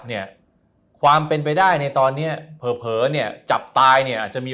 เนี่ยความเป็นไปได้ในตอนเนี้ยเผลอเนี่ยจับตายเนี่ยอาจจะมี